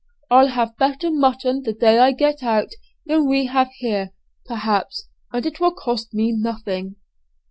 I'll have better mutton the day I get out than we have here, perhaps, and it will cost me nothing."